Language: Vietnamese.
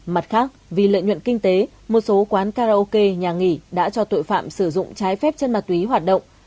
mặt khác vì lợi nhuận kinh tế một số quán karaoke nhà nghỉ đã cho tội phạm sử dụng trái phép chân ma túy hoạt động